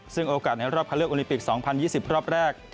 ซึ่งโอกาสในรอบคันเลือกโอลิมปิก๒๐๒๐รอบแรก